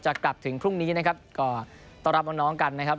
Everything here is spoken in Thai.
กลับถึงพรุ่งนี้นะครับก็ต้องรับน้องน้องกันนะครับ